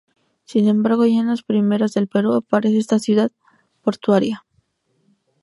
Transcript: Sin embargo, ya en los primeros del Perú aparece esta ciudad portuaria.